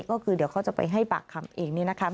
ก็คือเดี๋ยวเขาจะไปให้ปากคำเองนี่นะคะ